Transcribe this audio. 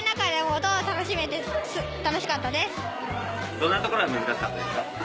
どんなところが難しかったですか？